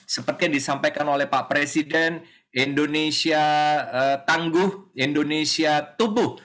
seperti yang disampaikan oleh pak presiden indonesia tangguh indonesia tumbuh